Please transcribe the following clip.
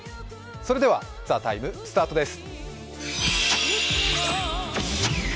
それでは「ＴＨＥＴＩＭＥ，」スタートです。